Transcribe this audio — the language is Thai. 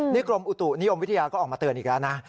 นี่กรมอุตุนิยมวิทยาก็ออกมาเตือนอีกแล้วนะ